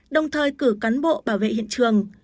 đồng thời cử cán bộ bảo vệ hiện trường